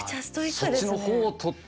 そっちの方をとって？